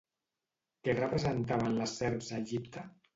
Què representaven les serps a Egipte?